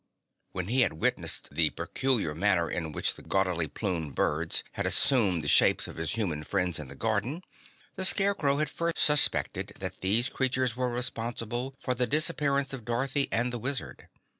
When he had witnessed the peculiar manner in which the gaudily plumed birds had assumed the shapes of his human friends in the garden, the Scarecrow had first suspected that these creatures were responsible for the disappearance of Dorothy and the Wizard.